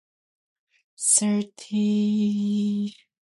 His brother Konstantin Astapkovich was also an able hammer thrower.